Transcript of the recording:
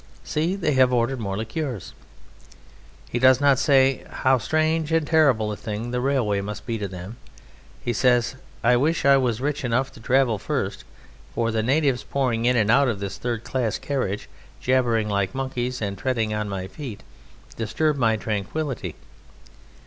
See, they have ordered more liqueurs!" He does not say: "How strange and terrible a thing the railway must be to them!" He says: "I wish I was rich enough to travel first, for the natives pouring in and out of this third class carriage, jabbering like monkeys, and treading on my feet, disturb my tranquillity.